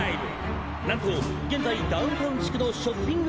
なんと現在ダウンタウン地区のショッピング